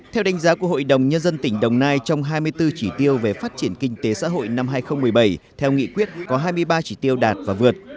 theo đánh giá của hội đồng nhân dân tỉnh đồng nai trong hai mươi bốn chỉ tiêu về phát triển kinh tế xã hội năm hai nghìn một mươi bảy theo nghị quyết có hai mươi ba chỉ tiêu đạt và vượt